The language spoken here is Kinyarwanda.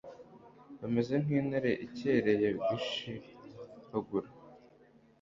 bameze nk'intare ikereye gushihagura